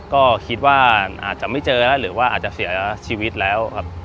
ก็คิดว่าอาจจะไม่เจอแล้วหรือว่าอาจจะเสียชีวิตแล้วครับ